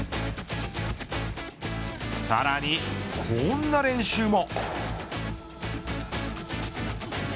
さらに、こんな練習も。